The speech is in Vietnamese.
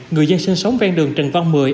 người dân sinh sống ven đường trần văn mười